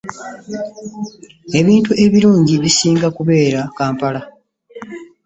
Ebintu ebirungi bisinga kubeera Kampala.